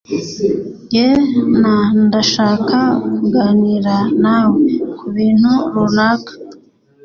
Jye na ndashaka kuganira nawe kubintu runaka.